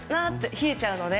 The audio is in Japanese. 冷えちゃうので。